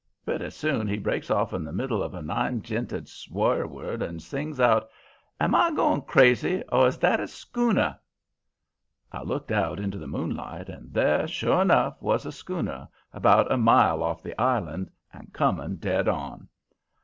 Pretty soon he breaks off in the middle of a nine j'inted swear word and sings out: "'Am I goin' crazy, or is that a schooner?' "I looked out into the moonlight, and there, sure enough, was a schooner, about a mile off the island, and coming dead on.